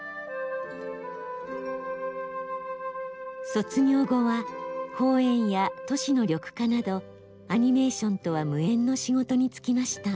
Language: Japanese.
卒業後は公園や都市の緑化などアニメーションとは無縁の仕事に就きました。